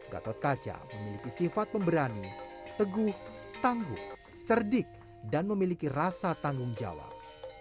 gatot kaca memiliki sifat pemberani teguh tangguh cerdik dan memiliki rasa tanggung jawab